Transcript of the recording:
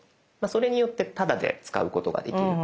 それによってタダで使うことができる。